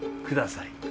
ください。